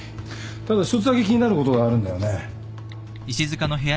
ただ一つだけ気になることがあるんだよね。